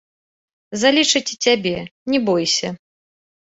Залічаць і цябе, не бойся.